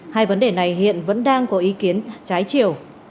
hai vấn đề này hiện vẫn đang có ý kiến trái chiều